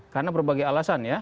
karena berbagai alasan ya